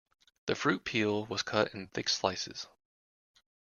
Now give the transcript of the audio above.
The fruit peel was cut in thick slices.